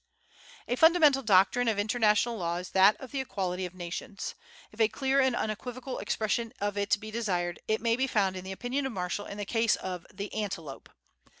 A fundamental doctrine of international law is that of the equality of nations. If a clear and unequivocal expression of it be desired, it may be found in the opinion of Marshall in the case of "The Antelope."